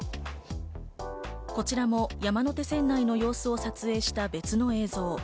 こちらも山手線内の様子を撮影した別の映像。